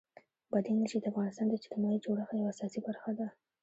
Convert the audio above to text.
بادي انرژي د افغانستان د اجتماعي جوړښت یوه اساسي برخه ده.